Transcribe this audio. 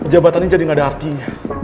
jabatannya jadi gak ada artinya